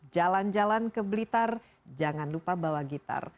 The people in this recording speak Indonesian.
jalan jalan ke blitar jangan lupa bawa gitar